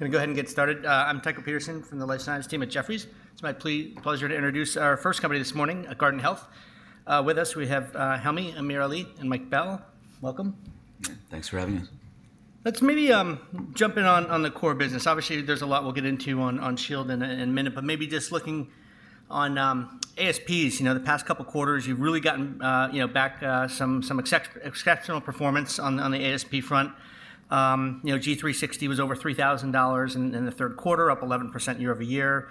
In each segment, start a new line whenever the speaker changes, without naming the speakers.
Going to go ahead and get started. I'm Tycho Peterson from the life science team at Jefferies. It's my pleasure to introduce our first company this morning, Guardant Health. With us, we have Helmy, AmirAli, and Mike Bell. Welcome.
Thanks for having us.
Let's maybe jump in on the core business. Obviously, there's a lot we'll get into on Shield in a minute, but maybe just looking on ASPs, the past couple of quarters, you've really gotten back some exceptional performance on the ASP front. G360 was over $3,000 in the third quarter, up 11% year over year.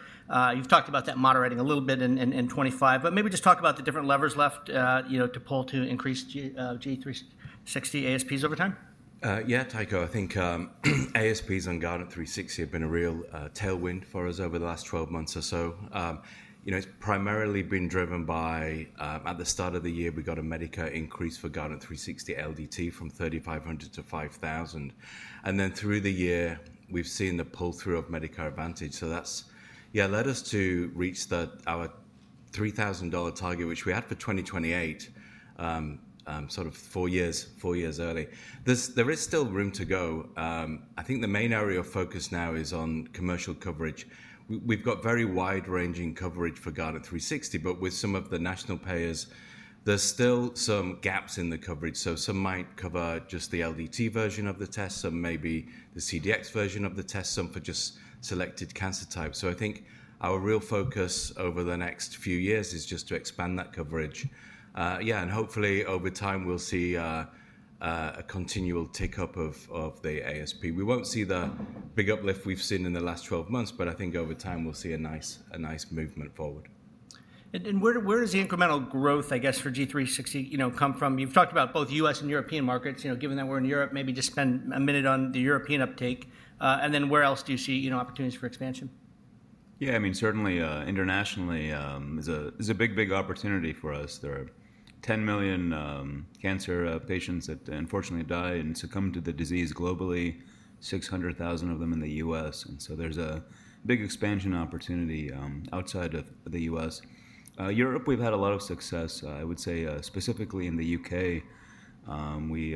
You've talked about that moderating a little bit in 2025, but maybe just talk about the different levers left to pull to increase G360 ASPs over time.
Yeah, Tycho, I think ASPs on Guardant360 have been a real tailwind for us over the last 12 months or so. It's primarily been driven by, at the start of the year, we got a Medicare increase for Guardant360 LDT from $3,500 to $5,000. And then through the year, we've seen the pull-through of Medicare Advantage. So that's, yeah, led us to reach our $3,000 target, which we had for 2028, sort of four years early. There is still room to go. I think the main area of focus now is on commercial coverage. We've got very wide-ranging coverage for Guardant360, but with some of the national payers, there's still some gaps in the coverage. So some might cover just the LDT version of the test, some maybe the CDx version of the test, some for just selected cancer types.I think our real focus over the next few years is just to expand that coverage. Yeah, and hopefully over time, we'll see a continual tick up of the ASP. We won't see the big uplift we've seen in the last 12 months, but I think over time, we'll see a nice movement forward.
And where does the incremental growth, I guess, for G360 come from? You've talked about both U.S. and European markets. Given that we're in Europe, maybe just spend a minute on the European uptake. And then where else do you see opportunities for expansion?
Yeah, I mean, certainly internationally is a big, big opportunity for us. There are 10,000,000 cancer patients that unfortunately die and succumb to the disease globally, 600,000 of them in the U.S. And so there's a big expansion opportunity outside of the U.S. Europe, we've had a lot of success, I would say, specifically in the U.K. We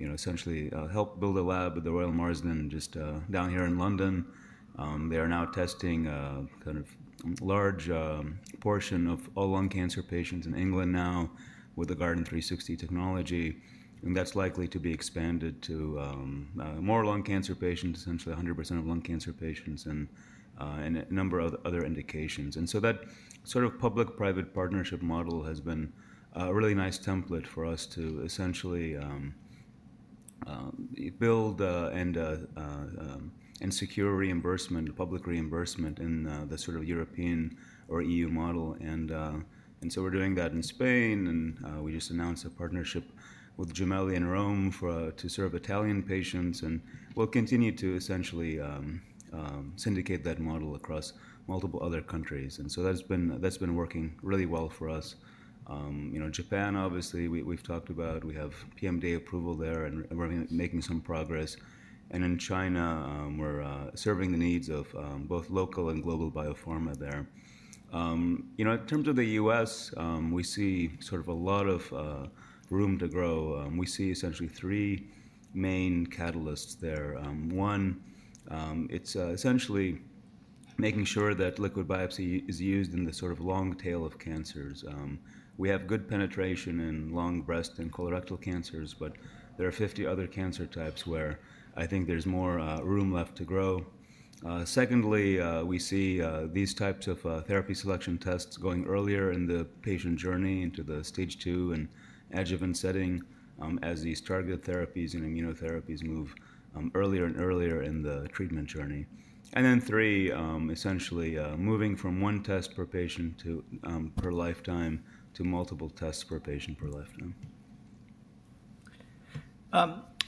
essentially helped build a lab with the Royal Marsden just down here in London. They are now testing kind of a large portion of all lung cancer patients in England now with the Guardant360 technology. And that's likely to be expanded to more lung cancer patients, essentially 100% of lung cancer patients, and a number of other indications. And so that sort of public-private partnership model has been a really nice template for us to essentially build and secure reimbursement, public reimbursement in the sort of European or EU model. We're doing that in Spain, and we just announced a partnership with Gemelli in Rome to serve Italian patients. We'll continue to essentially syndicate that model across multiple other countries. That's been working really well for us. Japan, obviously, we've talked about. We have PMDA approval there, and we're making some progress. In China, we're serving the needs of both local and global biopharma there. In terms of the U.S., we see sort of a lot of room to grow. We see essentially three main catalysts there. One, it's essentially making sure that liquid biopsy is used in the sort of long tail of cancers. We have good penetration in lung, breast, and colorectal cancers, but there are 50 other cancer types where I think there's more room left to grow. Secondly, we see these types of therapy selection tests going earlier in the patient journey into the Stage II and adjuvant setting as these targeted therapies and immunotherapies move earlier and earlier in the treatment journey. And then three, essentially moving from one test per patient per lifetime to multiple tests per patient per lifetime.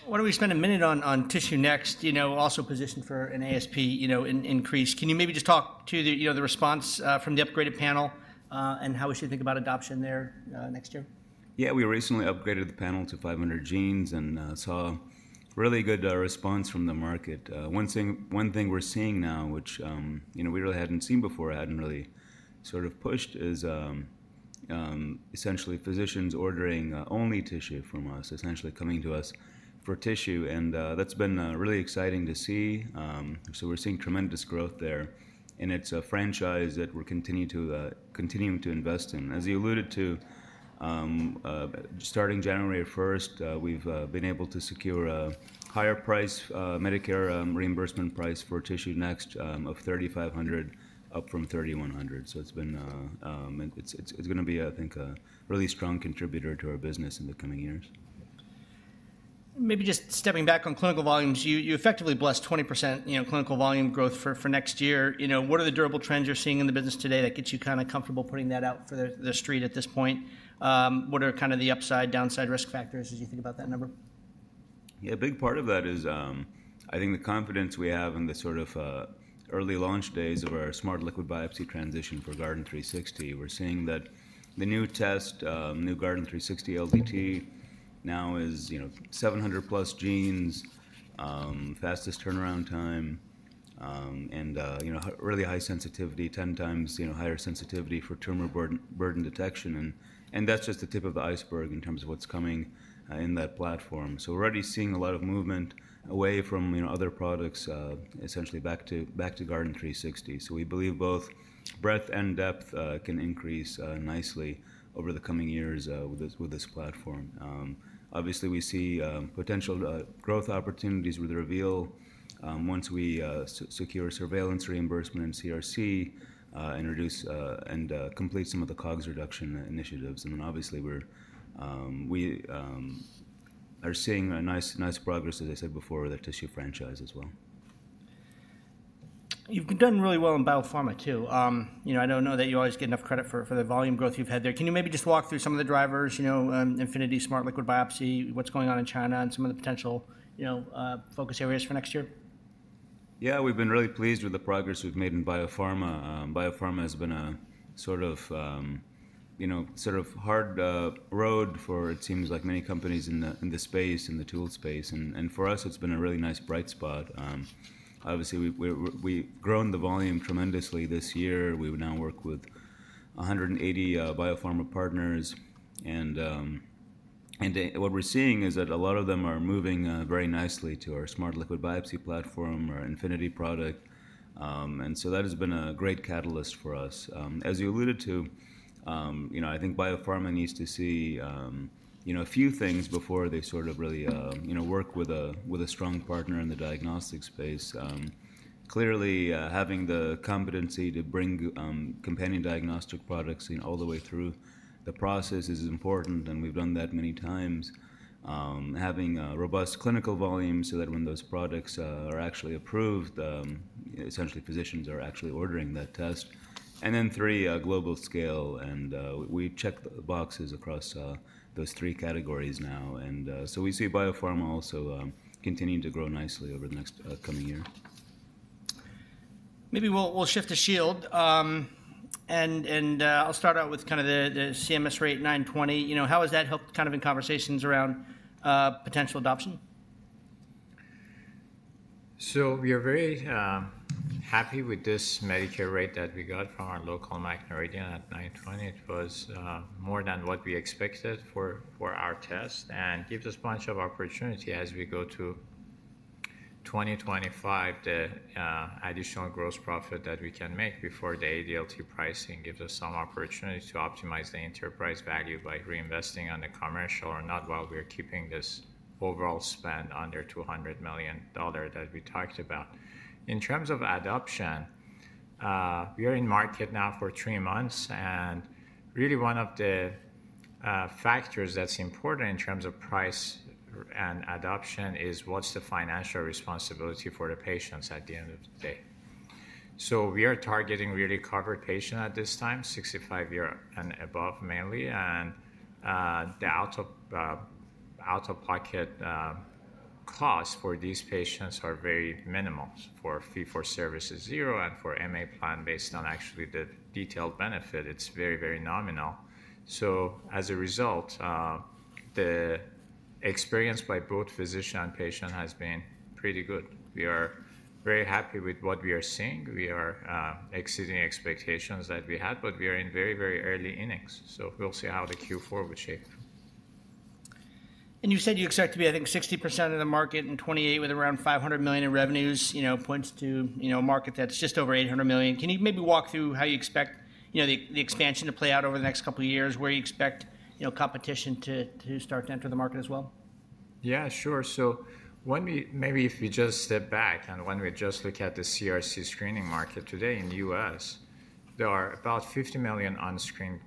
Why don't we spend a minute on TissueNext, also positioned for an ASP increase? Can you maybe just talk to the response from the upgraded panel and how we should think about adoption there next year?
Yeah, we recently upgraded the panel to 500 genes and saw really good response from the market. One thing we're seeing now, which we really hadn't seen before, hadn't really sort of pushed, is essentially physicians ordering only tissue from us, essentially coming to us for tissue. And that's been really exciting to see. So we're seeing tremendous growth there. And it's a franchise that we're continuing to invest in. As you alluded to, starting January 1st, we've been able to secure a higher Medicare reimbursement price for TissueNext of $3,500, up from $3,100. So it's going to be, I think, a really strong contributor to our business in the coming years.
Maybe just stepping back on clinical volumes, you effectively blessed 20% clinical volume growth for next year. What are the durable trends you're seeing in the business today that gets you kind of comfortable putting that out for the street at this point? What are kind of the upside, downside risk factors as you think about that number?
Yeah, a big part of that is, I think, the confidence we have in the sort of early launch days of our Smart Liquid Biopsy transition for Guardant360. We're seeing that the new test, new Guardant360 LDT, now is 700-plus genes, fastest turnaround time, and really high sensitivity, 10x higher sensitivity for tumor burden detection. And that's just the tip of the iceberg in terms of what's coming in that platform. So we're already seeing a lot of movement away from other products, essentially back to Guardant360. So we believe both breadth and depth can increase nicely over the coming years with this platform. Obviously, we see potential growth opportunities with the Reveal once we secure surveillance reimbursement and CRC and complete some of the COGS reduction initiatives. And then obviously, we are seeing nice progress, as I said before, with our tissue franchise as well.
You've done really well in biopharma, too. I don't know that you always get enough credit for the volume growth you've had there. Can you maybe just walk through some of the drivers, Infinity Smart Liquid Biopsy, what's going on in China, and some of the potential focus areas for next year?
Yeah, we've been really pleased with the progress we've made in biopharma. Biopharma has been a sort of hard road for, it seems like, many companies in the space, in the tool space. And for us, it's been a really nice bright spot. Obviously, we've grown the volume tremendously this year. We now work with 180 biopharma partners. And what we're seeing is that a lot of them are moving very nicely to our Smart Liquid Biopsy platform, our Infinity product. And so that has been a great catalyst for us. As you alluded to, I think biopharma needs to see a few things before they sort of really work with a strong partner in the diagnostic space. Clearly, having the competency to bring companion diagnostic products all the way through the process is important, and we've done that many times. Having robust clinical volume so that when those products are actually approved, essentially physicians are actually ordering that test. And then three, global scale. And we check the boxes across those three categories now. And so we see biopharma also continuing to grow nicely over the next coming year.
Maybe we'll shift to Shield. And I'll start out with kind of the CMS rate $920. How has that helped kind of in conversations around potential adoption?
We are very happy with this Medicare rate that we got from our local Noridian at $920. It was more than what we expected for our test and gives us a bunch of opportunity as we go to 2025. The additional gross profit that we can make before the ADLT pricing gives us some opportunity to optimize the enterprise value by reinvesting on the commercial or not while we are keeping this overall spend under $200 million that we talked about. In terms of adoption, we are in market now for three months. And really, one of the factors that's important in terms of price and adoption is what's the financial responsibility for the patients at the end of the day. So we are targeting really covered patients at this time, 65 years and above mainly. The out-of-pocket costs for these patients are very minimal for fee-for-service is zero, and for MA plan, based on actually the detailed benefit, it's very, very nominal. As a result, the experience by both physician and patient has been pretty good. We are very happy with what we are seeing. We are exceeding expectations that we had, but we are in very, very early innings. We'll see how the Q4 will shape.
You said you expect to be, I think, 60% of the market in 2028 with around $500 million in revenues. That points to a market that's just over $800 million. Can you maybe walk through how you expect the expansion to play out over the next couple of years, where you expect competition to start to enter the market as well?
Yeah, sure. So maybe if we just step back and when we just look at the CRC screening market today in the U.S., there are about 50,000,000 unscreened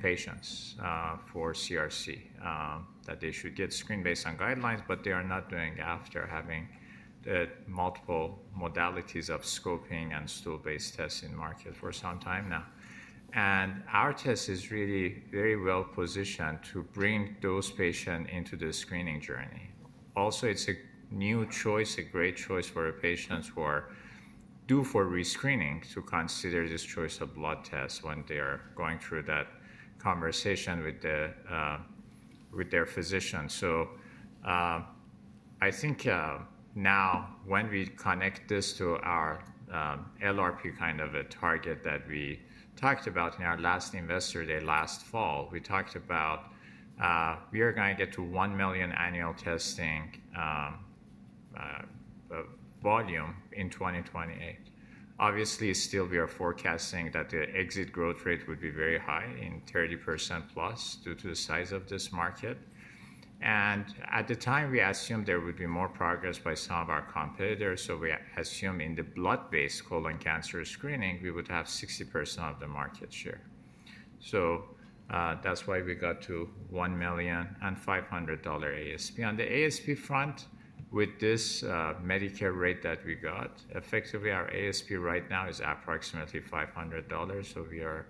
patients for CRC that they should get screened based on guidelines, but they are not doing after having multiple modalities of scoping and stool-based tests in market for some time now. And our test is really very well positioned to bring those patients into the screening journey. Also, it's a new choice, a great choice for patients who are due for rescreening to consider this choice of blood test when they are going through that conversation with their physician. So I think now when we connect this to our LRP kind of a target that we talked about in our last investor day last fall, we talked about we are going to get to one million annual testing volume in 2028. Obviously, still, we are forecasting that the exit growth rate would be very high in 30% plus due to the size of this market. And at the time, we assumed there would be more progress by some of our competitors. So we assume in the blood-based colon cancer screening, we would have 60% of the market share. So that's why we got to $1,500 ASP. On the ASP front, with this Medicare rate that we got, effectively our ASP right now is approximately $500. So we are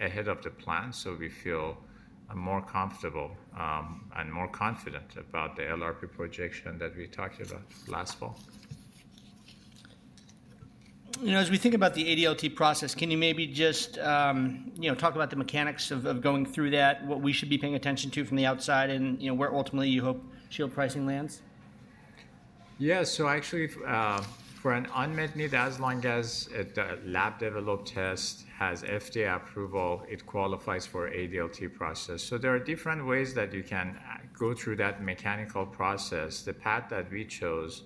ahead of the plan. So we feel more comfortable and more confident about the LRP projection that we talked about last fall.
As we think about the ADLT process, can you maybe just talk about the mechanics of going through that, what we should be paying attention to from the outside, and where ultimately you hope Shield pricing lands?
Yeah, so actually for an unmet need, as long as the lab-developed test has FDA approval, it qualifies for the ADLT process. So there are different ways that you can go through that Medicare process. The path that we chose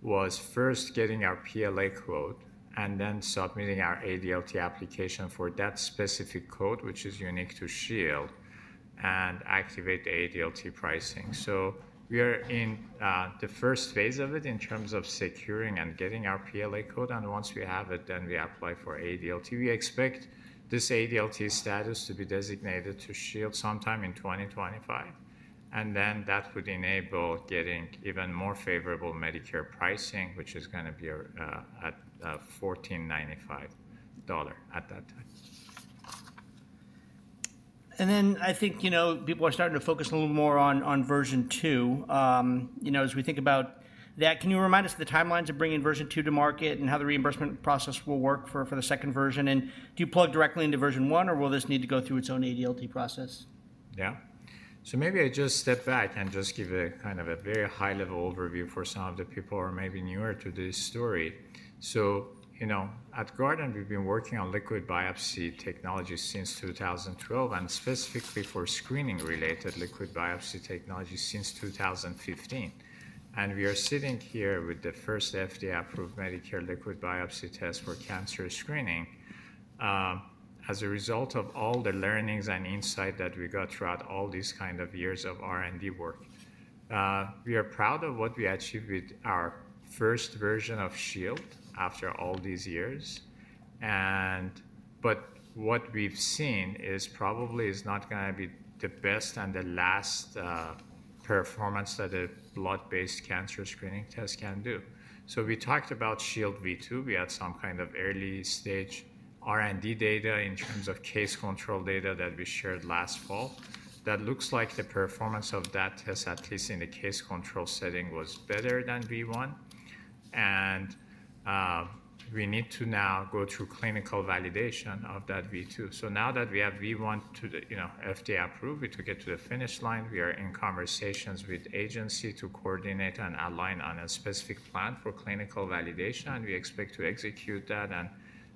was first getting our PLA code and then submitting our ADLT application for that specific code, which is unique to Shield, and activate the ADLT pricing. So we are in the first phase of it in terms of securing and getting our PLA code. And once we have it, then we apply for ADLT. We expect this ADLT status to be designated to Shield sometime in 2025. And then that would enable getting even more favorable Medicare pricing, which is going to be at $1,495 at that time.
And then I think people are starting to focus a little more on version two. As we think about that, can you remind us of the timelines of bringing version two to market and how the reimbursement process will work for the second version? And do you plug directly into version one, or will this need to go through its own ADLT process?
Yeah. So maybe I just step back and just give a kind of a very high-level overview for some of the people who are maybe newer to this story. So at Guardant, we've been working on liquid biopsy technology since 2012 and specifically for screening-related liquid biopsy technology since 2015. And we are sitting here with the first FDA-approved Medicare liquid biopsy test for cancer screening as a result of all the learnings and insight that we got throughout all these kind of years of R&D work. We are proud of what we achieved with our first version of Shield after all these years. But what we've seen is probably not going to be the best and the last performance that a blood-based cancer screening test can do. So we talked about Shield v2.We had some kind of early-stage R&D data in terms of case control data that we shared last fall. That looks like the performance of that test, at least in the case control setting, was better than v1. And we need to now go through clinical validation of that v2. So now that we have v1 FDA-approved, we took it to the finish line. We are in conversations with the agency to coordinate and align on a specific plan for clinical validation. We expect to execute that and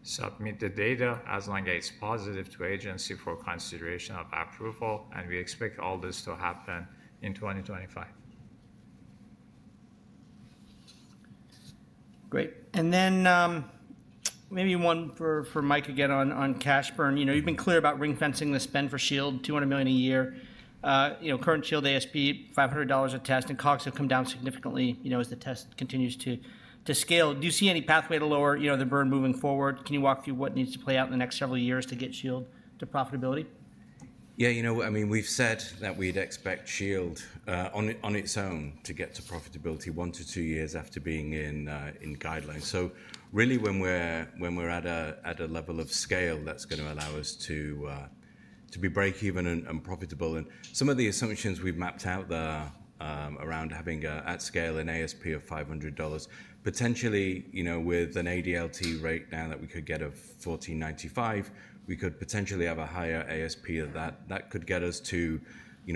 submit the data as long as it's positive to the agency for consideration of approval. And we expect all this to happen in 2025.
Great. And then maybe one for Mike again on cash burn. You've been clear about ring-fencing the spend for Shield, $200 million a year. Current Shield ASP, $500 a test, and COGS have come down significantly as the test continues to scale. Do you see any pathway to lower the burn moving forward? Can you walk through what needs to play out in the next several years to get Shield to profitability?
Yeah, you know I mean, we've said that we'd expect Shield on its own to get to profitability one to two years after being in guidelines. So really, when we're at a level of scale that's going to allow us to be break-even and profitable, and some of the assumptions we've mapped out there around having at scale an ASP of $500, potentially with an ADLT rate now that we could get of $1,495, we could potentially have a higher ASP that could get us to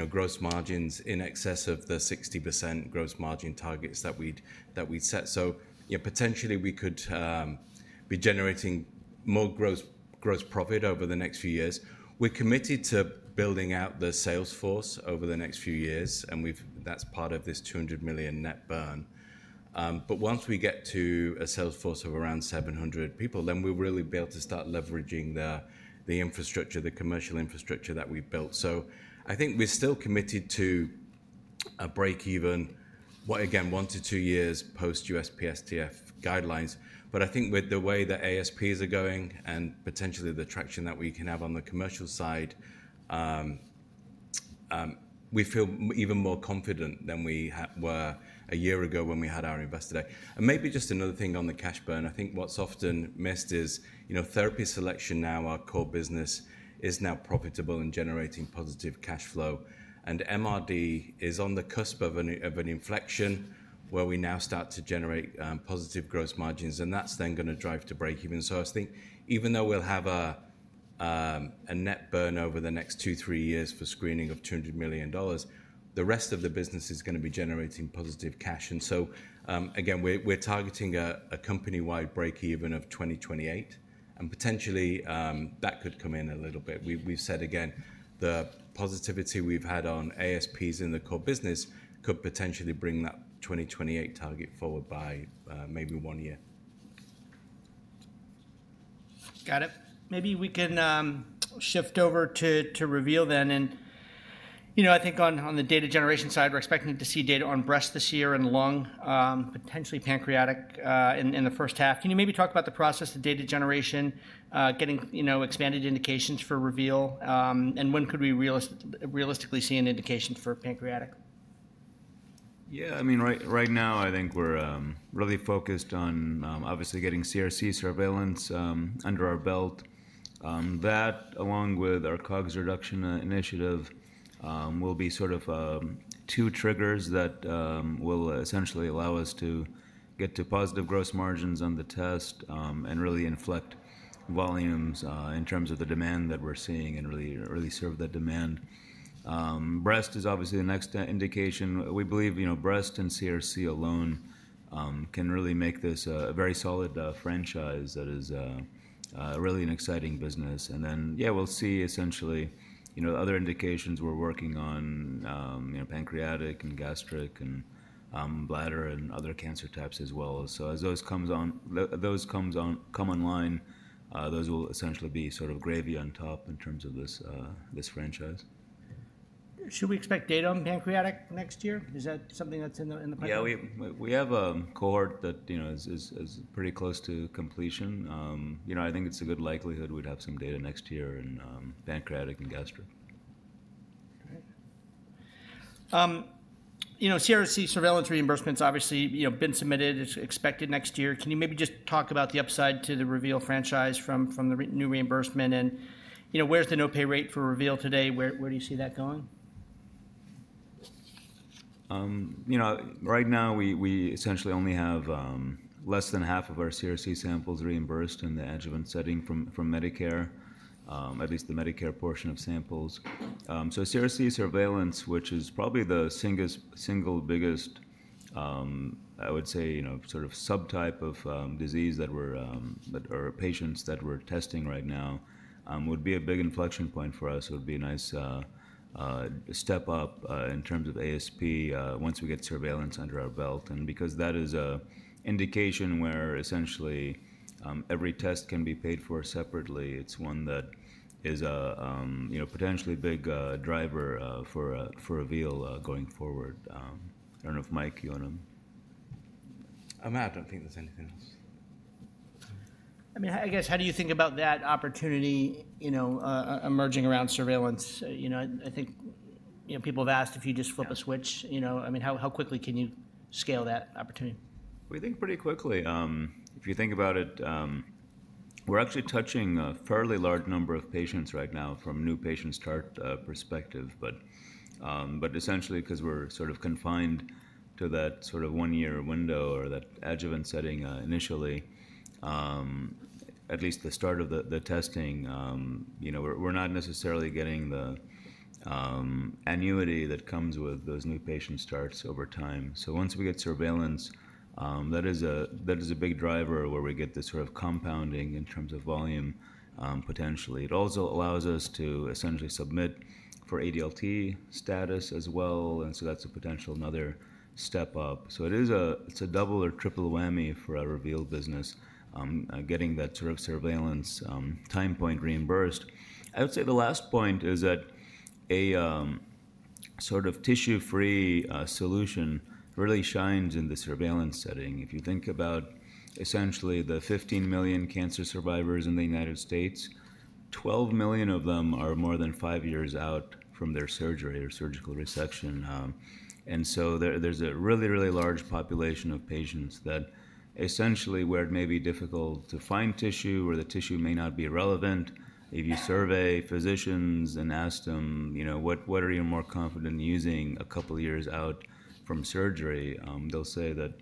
gross margins in excess of the 60% gross margin targets that we'd set. So potentially, we could be generating more gross profit over the next few years. We're committed to building out the sales force over the next few years. And that's part of this $200 million net burn. But once we get to a sales force of around 700 people, then we'll really be able to start leveraging the infrastructure, the commercial infrastructure that we've built. So I think we're still committed to a break-even, again, one to two years post USPSTF guidelines. But I think with the way that ASPs are going and potentially the traction that we can have on the commercial side, we feel even more confident than we were a year ago when we had our investor day. And maybe just another thing on the cash burn. I think what's often missed is therapy selection now, our core business, is now profitable and generating positive cash flow. And MRD is on the cusp of an inflection where we now start to generate positive gross margins. And that's then going to drive to break-even. So I think even though we'll have a net burn over the next two, three years for screening of $200,000,000, the rest of the business is going to be generating positive cash. And so again, we're targeting a company-wide break-even of 2028. And potentially, that could come in a little bit. We've said, again, the positivity we've had on ASPs in the core business could potentially bring that 2028 target forward by maybe one year.
Got it. Maybe we can shift over to Reveal then. And I think on the data generation side, we're expecting to see data on breast this year and lung, potentially pancreatic in the first half. Can you maybe talk about the process of data generation, getting expanded indications for Reveal? And when could we realistically see an indication for pancreatic?
Yeah, I mean, right now, I think we're really focused on obviously getting CRC surveillance under our belt. That, along with our COGS reduction initiative, will be sort of two triggers that will essentially allow us to get to positive gross margins on the test and really inflect volumes in terms of the demand that we're seeing and really serve that demand. Breast is obviously the next indication. We believe breast and CRC alone can really make this a very solid franchise that is really an exciting business. And then, yeah, we'll see essentially other indications. We're working on pancreatic and gastric and bladder and other cancer types as well. So as those come online, those will essentially be sort of gravy on top in terms of this franchise.
Should we expect data on pancreatic next year? Is that something that's in the plan?
Yeah, we have a cohort that is pretty close to completion. I think it's a good likelihood we'd have some data next year in pancreatic and gastric.
Great. CRC surveillance reimbursements obviously have been submitted. It's expected next year. Can you maybe just talk about the upside to the Reveal franchise from the new reimbursement? And where's the no-pay rate for Reveal today? Where do you see that going?
Right now, we essentially only have less than half of our CRC samples reimbursed in the adjuvant setting from Medicare, at least the Medicare portion of samples. So CRC surveillance, which is probably the single biggest, I would say, sort of subtype of disease that our patients that we're testing right now would be a big inflection point for us. It would be a nice step up in terms of ASP once we get surveillance under our belt. And because that is an indication where essentially every test can be paid for separately, it's one that is a potentially big driver for Reveal going forward. I don't know if Mike, you want to.
I'm out. I don't think there's anything else.
I mean, I guess, how do you think about that opportunity emerging around surveillance? I think people have asked if you just flip a switch. I mean, how quickly can you scale that opportunity?
We think pretty quickly. If you think about it, we're actually touching a fairly large number of patients right now from new patients' chart perspective. But essentially, because we're sort of confined to that sort of one-year window or that adjuvant setting initially, at least the start of the testing, we're not necessarily getting the annuity that comes with those new patient starts over time. So once we get surveillance, that is a big driver where we get this sort of compounding in terms of volume potentially. It also allows us to essentially submit for ADLT status as well. And so that's a potential another step up. So it's a double or triple whammy for our Reveal business getting that sort of surveillance time point reimbursed. I would say the last point is that a sort of tissue-free solution really shines in the surveillance setting. If you think about essentially the 15,000,000 cancer survivors in the United States, 12,000,000 of them are more than five years out from their surgery or surgical resection. And so there's a really, really large population of patients that essentially where it may be difficult to find tissue or the tissue may not be relevant. If you survey physicians and ask them, what are you more confident using a couple of years out from surgery, they'll say that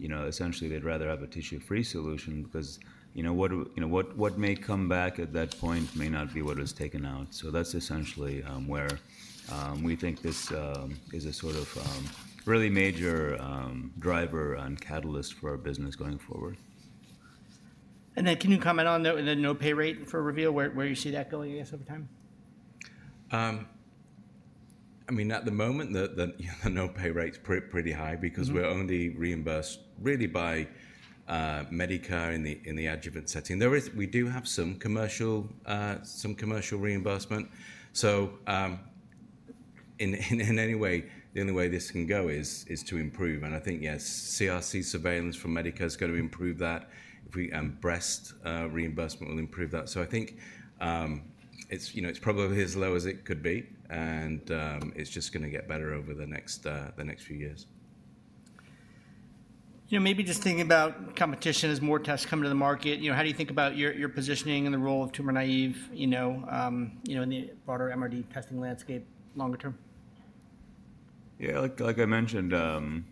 essentially they'd rather have a tissue-free solution because what may come back at that point may not be what was taken out. So that's essentially where we think this is a sort of really major driver and catalyst for our business going forward.
And then, can you comment on the no-pay rate for Reveal, where you see that going, I guess, over time?
I mean, at the moment, the no-pay rate's pretty high because we're only reimbursed really by Medicare in the adjuvant setting. We do have some commercial reimbursement. So in any way, the only way this can go is to improve. And I think, yes, CRC surveillance from Medicare is going to improve that. Breast reimbursement will improve that. So I think it's probably as low as it could be. And it's just going to get better over the next few years.
Maybe just thinking about competition as more tests come to the market, how do you think about your positioning and the role of tumor-naive in the broader MRD testing landscape longer term?
Yeah, like I mentioned,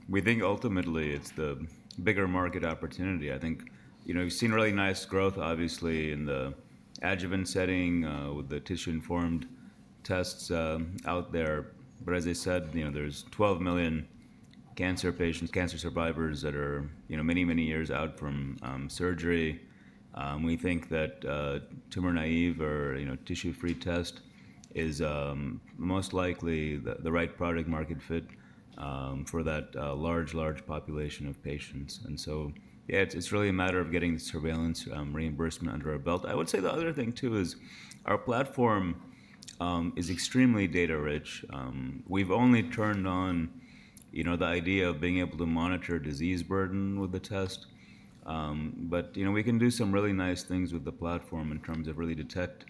we think ultimately it's the bigger market opportunity. I think we've seen really nice growth, obviously, in the adjuvant setting with the tissue-informed tests out there. But as I said, there's 12,000,000 cancer patients, cancer survivors that are many, many years out from surgery. We think that tumor-naive or tissue-free test is most likely the right product-market fit for that large, large population of patients. And so, yeah, it's really a matter of getting the surveillance reimbursement under our belt. I would say the other thing, too, is our platform is extremely data-rich. We've only turned on the idea of being able to monitor disease burden with the test. But we can do some really nice things with the platform in terms of really detect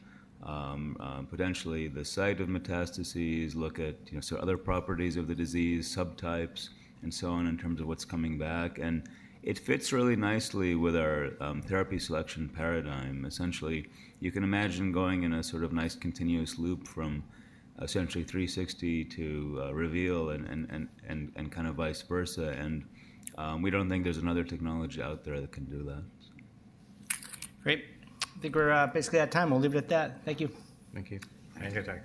potentially the site of metastases, look at other properties of the disease, subtypes, and so on in terms of what's coming back. And it fits really nicely with our therapy selection paradigm. Essentially, you can imagine going in a sort of nice continuous loop from essentially 360 to Reveal and kind of vice versa. And we don't think there's another technology out there that can do that.
Great. I think we're basically at time. We'll leave it at that. Thank you.
Thank you.
Thank you.